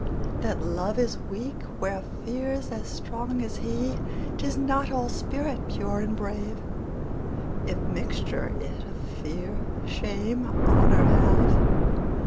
That Love is weak where Fear's as strong as he;'Tis not all spirit pure and brave, If mixture it of Fear, Shame, Honour have.